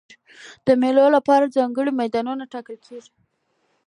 د مېلو له پاره ځانګړي میدانونه ټاکل کېږي.